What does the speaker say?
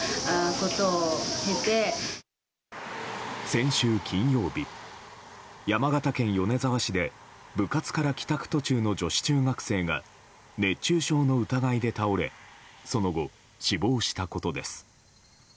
先週金曜日、山形県米沢市で部活から帰宅途中の女子中学生が熱中症の疑いで倒れその後、死亡したことです。